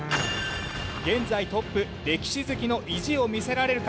現在トップ歴史好きの意地を見せられるか？